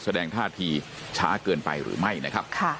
แสดงท่าทีช้าเกินไปหรือไม่นะครับ